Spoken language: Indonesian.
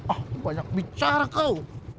oh banyak bicara kau